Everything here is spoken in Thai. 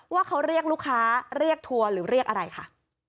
ว่าเขาเรียกลูกค้าเรียกทัวร์หรือเรียกอะไรคะ